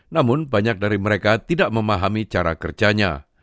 namun banyak dari mereka tidak memahami cara kerjanya